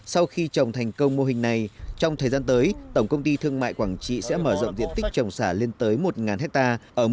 sau khi trồng thành công mô hình này trong thời gian tới tổng công ty thương mại quảng trị sẽ mở rộng diện tích trồng xả lên tới một ha